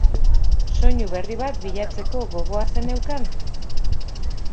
Soinu berri bat bilatzeko gogoa zeneukan?